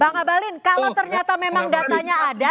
bang abalin kalau ternyata memang datanya ada